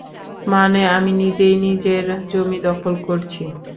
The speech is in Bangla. মানে, আমি নিজেই নিজের জমি দখল করছি।